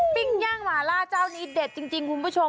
ปิ้งย่างหมาล่าเจ้านี้เด็ดจริงคุณผู้ชม